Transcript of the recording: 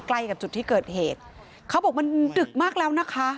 ใกล้กับจุดที่เกิดเหตุเขาบอกมันดึกมากแล้วนะคะ